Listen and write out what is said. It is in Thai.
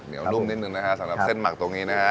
วนุ่มนิดนึงนะฮะสำหรับเส้นหมักตรงนี้นะฮะ